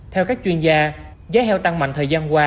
theo các chuyên gia giá heo tăng mạnh thời gian qua